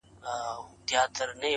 او په لوړ ږغ په ژړا سو.